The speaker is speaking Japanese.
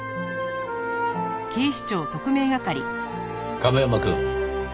亀山くん。